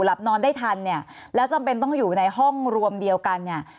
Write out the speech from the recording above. หลับนอนได้ทันเนี่ยแล้วจำเป็นต้องอยู่ในห้องรวมเดียวกันเนี่ย